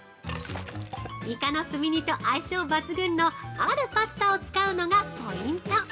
イカのスミ煮と相性抜群のあるパスタを使うのがポイント。